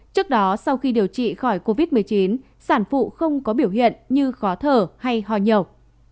trước đó sau khi điều trị khỏi covid một mươi chín sản phụ không có biểu hiện như khó thở hay ho nhầu